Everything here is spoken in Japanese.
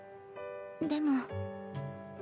でも。